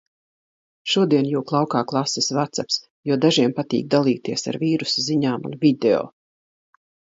Šodien jūk laukā klases vacaps, jo dažiem patīk dalīties ar vīrusa ziņām un video.